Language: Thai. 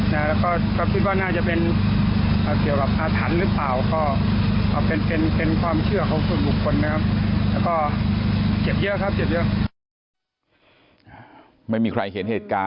แล้วก็คิดว่าน่าจะเป็นเกี่ยวกับอธรรณหรือเปล่าก็เป็นความเชื่อของส่วนบุคคลนะครับ